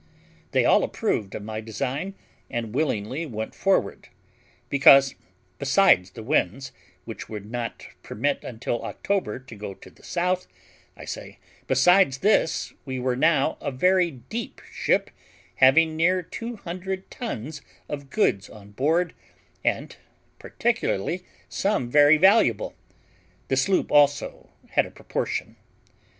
They all approved of my design, and willingly went forward; because, besides the winds, which would not permit until October to go to the south, I say, besides this, we were now a very deep ship, having near two hundred ton of goods on board, and particularly, some very valuable; the sloop also had a proportion.